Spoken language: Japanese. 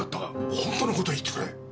本当のことを言ってくれ！